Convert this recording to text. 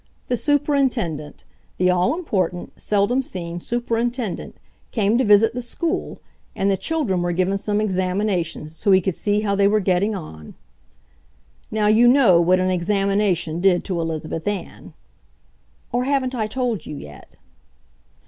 The Superintendent, the all important, seldom seen Superintendent, came to visit the school and the children were given some examinations so he could see how they were getting on. Now, you know what an examination did to Elizabeth Ann. Or haven't I told you yet?